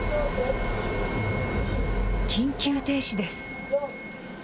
緊急停止です。